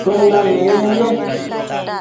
tsundan menied ne?